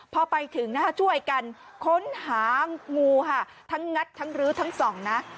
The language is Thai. พอไปถึงนะฮะช่วยกันค้นหางูค่ะทั้งงัดทั้งรื้อทั้งสองนะ